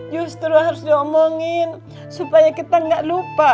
justru harus diomongin supaya kita gak lupa